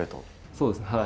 そうですね。